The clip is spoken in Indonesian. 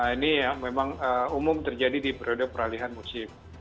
ini memang umum terjadi di periode peralihan musim